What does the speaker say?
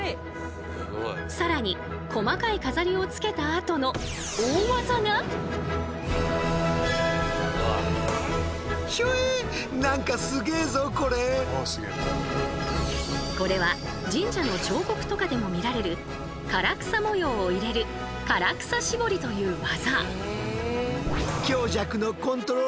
更に細かい飾りをつけたあとのこれは神社の彫刻とかでも見られる唐草模様を入れる唐草絞りという技。